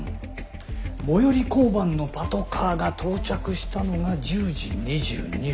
最寄り交番のパトカーが到着したのが１０時２２分。